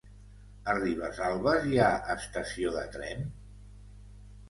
A Ribesalbes hi ha estació de tren?